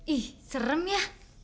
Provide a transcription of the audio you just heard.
ih serem ya